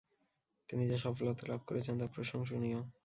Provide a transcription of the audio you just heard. তিনি যে সফলতা লাভ করেছেন তা প্রশংসনীয়।